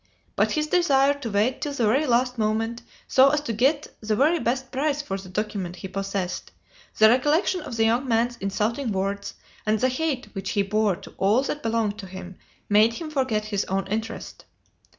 But his desire to wait till the very last moment, so as to get the very best price for the document he possessed, the recollection of the young man's insulting words, and the hate which he bore to all that belonged to him, made him forget his own interest.